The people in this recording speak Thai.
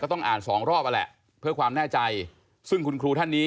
ก็ปูต้องเดินไปครูนาแล้วเข้าไปในรูที่อยู่ตรงครูนาไหม